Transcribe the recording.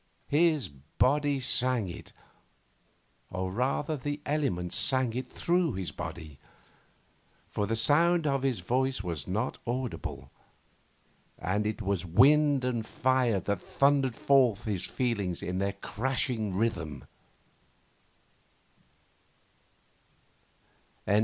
His body sang it, or rather the elements sang it through his body; for the sound of his voice was not audible, and it was wind and fire that thundered forth his feeling in their crashing rhythm.